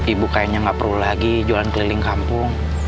ibu kayaknya nggak perlu lagi jualan keliling kampung